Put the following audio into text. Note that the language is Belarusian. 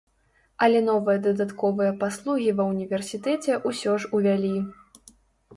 Але новыя дадатковыя паслугі ва ўніверсітэце ўсё ж увялі.